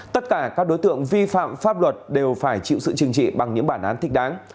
tất cả các đối tượng vi phạm pháp luật đều phải chịu sự chừng trị bằng những bản án thích đáng